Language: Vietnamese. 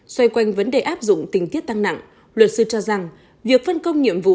xoay quanh vấn đề áp dụng tình tiết tăng nặng luật sư cho rằng việc phân công nhiệm vụ